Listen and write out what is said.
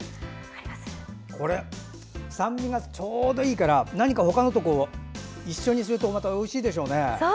これ、酸味がちょうどいいから何か他のと一緒にするとおいしいでしょうね。